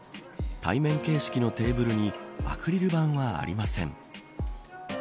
対面形式のテーブルにアクリル板はありません。